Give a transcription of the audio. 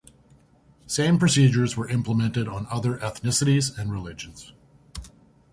Same procedures were implemented on other ethnicities and religions.